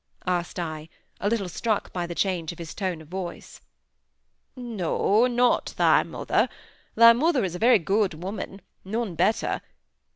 asked I, a little struck by the change of his tone of voice. "No! not thy mother. Thy mother is a very good woman—none better.